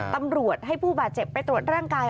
ตำรวจให้ผู้บาดเจ็บไปตรวจร่างกาย